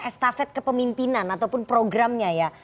estafet kepemimpinan ataupun programnya ya